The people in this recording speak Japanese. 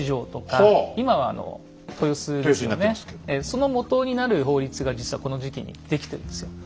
そのもとになる法律が実はこの時期に出来てるんですよ。